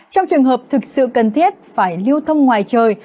trong trường hợp thực sự cần thiết phải lưu thông ngoài trời